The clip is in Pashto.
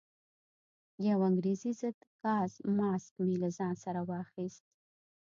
یو انګریزي ضد ګاز ماسک مې له ځان سره واخیست.